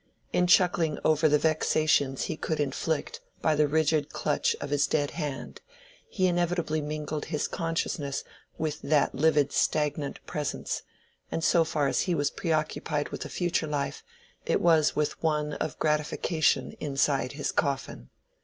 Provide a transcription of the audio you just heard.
In chuckling over the vexations he could inflict by the rigid clutch of his dead hand, he inevitably mingled his consciousness with that livid stagnant presence, and so far as he was preoccupied with a future life, it was with one of gratification inside his coffin.